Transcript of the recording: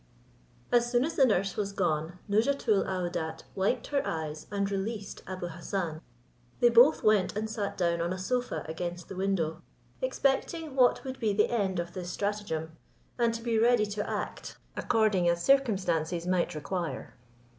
As soon as the nurse was gone, Nouzhatoul aouadat wiped her eyes and released Abou Hassan; they both went and sat down on a sofa against the window, expecting what would be the end of this stratagem, and to be ready to act according as circumstances might require.